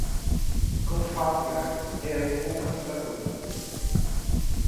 Cofounder é um co-fundador.